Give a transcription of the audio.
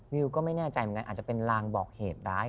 วิวก็ไม่แน่ใจเหมือนกันอาจจะเป็นลางบอกเหตุร้าย